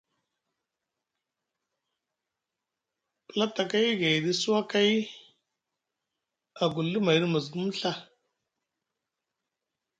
Platakay gayɗi suwakay agulɗi mayɗi musgum Ɵa.